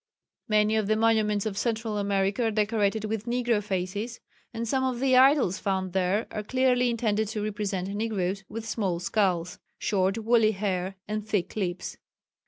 Many of the monuments of Central America are decorated with negro faces, and some of the idols found there are clearly intended to represent negros, with small skulls, short woolly hair and thick lips.